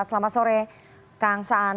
selamat sore kang saan